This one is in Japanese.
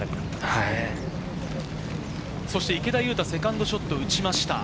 池田勇太、セカンドショットを打ちました。